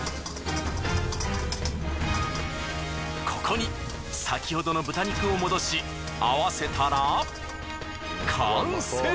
ここに先ほどの豚肉を戻しあわせたら完成！